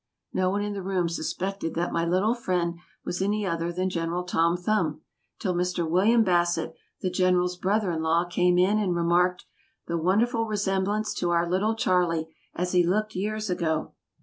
No one in the room suspected that my little friend was any other than General Tom Thumb, till Mr. William Bassett, the General's brother in law, came in and remarked the "wonderful resemblance to our little Charley, as he looked years ago."